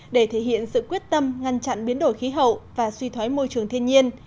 để thể hiện sự quyết tâm ngăn chặn biến đổi khí hậu và suy thoái môi trường thiên nhiên